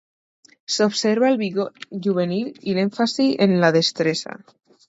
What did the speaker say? S'observa el vigor juvenil i l'èmfasi en la destresa.